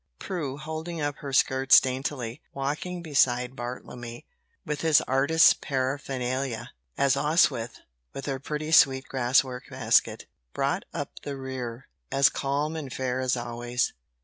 Prue, holding up her skirts daintily, walked beside Bartlemy, with his artist's paraphernalia, as Oswyth, with her pretty sweet grass work basket, brought up the rear, as calm and fair as always.